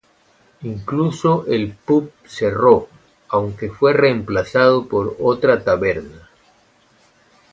Incluso el pub cerró, aunque fue reemplazado por otra taberna.